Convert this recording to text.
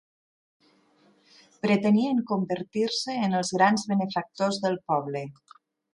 Pretenien convertir-se en els grans benefactors del poble.